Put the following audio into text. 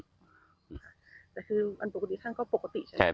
คือก็ปกติใช่ไหม